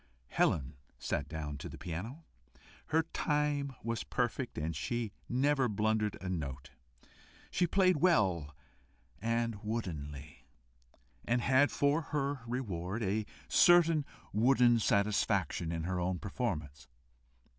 Helen sat down to the piano. Her time was perfect, and she never blundered a note. She played well and woodenly, and had for her reward a certain wooden satisfaction in her own performance.